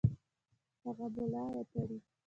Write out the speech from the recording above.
هغه ملا وتړي.